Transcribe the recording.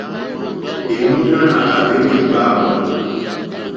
Èmúɲánà à hwélì ɡbwámù.